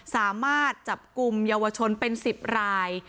สามารถจับกลุ่มเยาวชนเป็น๑๐ราย